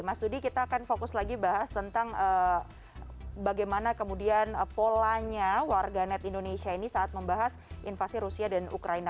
mas dudi kita akan fokus lagi bahas tentang bagaimana kemudian polanya warga net indonesia ini saat membahas invasi rusia dan ukraina